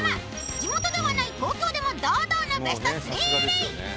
地元ではない東京でも堂々のベスト３入り！